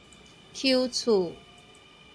邱厝